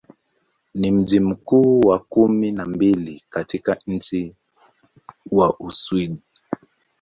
Ni mji mkubwa wa kumi na mbili katika nchi wa Uswidi.